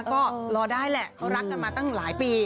ก็รอได้แหละเขารักกันมาตั้งหลายปี